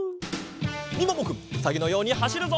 みももくんうさぎのようにはしるぞ！